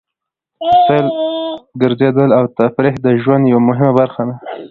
سیل، ګرځېدل او تفرېح د ژوند یوه مهمه برخه ده.